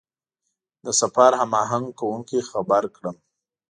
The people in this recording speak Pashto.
د سفر هماهنګ کوونکي خبر کړم.